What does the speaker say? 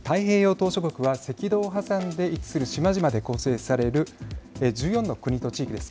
島しょ国は赤道を挟んで位置する島々で構成される１４の国と地域です。